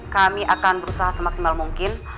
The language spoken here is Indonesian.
kami akan berusaha semaksimal mungkin